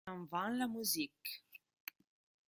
En avant la musique